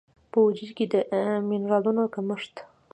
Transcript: په وجود کې د مېنرالونو کمښت